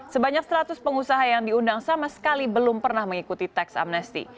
sebanyak seratus pengusaha yang diundang sama sekali belum pernah mengikuti teks amnesti